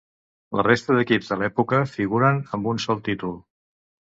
La resta d’equips de l’època figuren amb un sol títol.